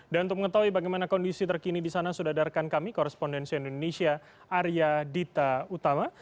dan untuk mengetahui bagaimana kondisi terkini di sana sudah adarkan kami korrespondensi indonesia arya dita utama